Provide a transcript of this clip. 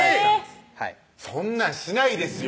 そんなんしないですよ